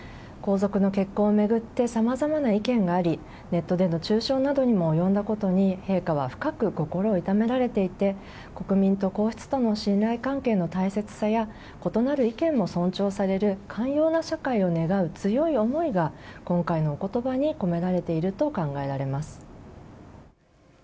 皇族の結婚を巡ってさまざまな意見があり、ネットでの中傷などにも及んだことに陛下は深く心を痛められていて、国民と皇室との信頼関係の大切さや、異なる意見も尊重される寛容な社会を願う強い思いが、今回のおことばに込められていると考えられます。